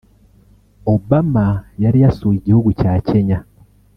Obama yari yasuye igihugu cya Kenya